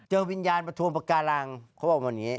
เจอวิญญาณมาทวงปากการังเขาบอกว่าแบบนี้